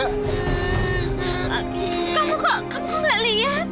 kamu kok gak lihat